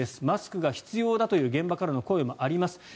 マスクが必要だという現場からの声もあります。